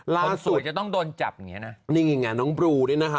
คนสวยจะต้องโดนจับอย่างเงี้นะนี่ไงน้องบลูด้วยนะคะ